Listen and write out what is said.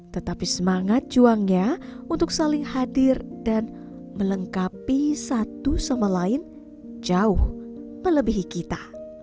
tetapi semangat juangnya untuk saling hadir dan melengkapi satu sama lain jauh melebihi kita